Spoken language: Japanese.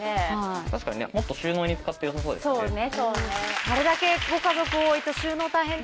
確かにもっと収納に使ってよさそうですね。